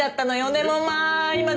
でもまあ今全然！